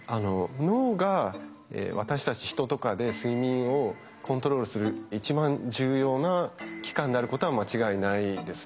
脳が私たち人とかで睡眠をコントロールする一番重要な器官であることは間違いないですね。